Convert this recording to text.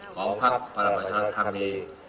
ของพรรคพละประชาชน์ครั้งนี้